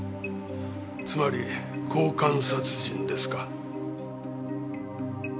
つまり交換殺人ですか。